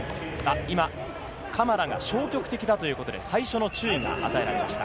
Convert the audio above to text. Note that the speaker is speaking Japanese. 今、カマラが消極的だということで最初の注意が与えられました。